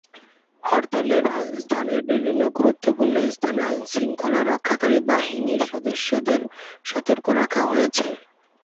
হরতালে রাজধানীর বিভিন্ন গুরুত্বপূর্ণ স্থানে আইনশৃঙ্খলা রক্ষাকারী বাহিনীর সদস্যদের সতর্ক রাখা হয়েছে।